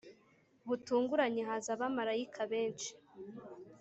Butunguranye haza abamarayika benshi